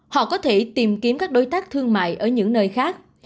họ có thể tìm kiếm các đối tác thương mại ở những nơi khác